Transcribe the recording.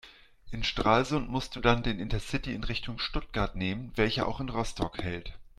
In Stralsund musst du dann den Intercity in Richtung Stuttgart nehmen, welcher auch in Rostock hält.